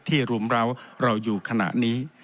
รุมร้าวเราอยู่ขณะนี้